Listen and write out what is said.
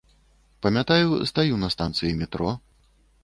Памятаю, стаю на станцыі метро.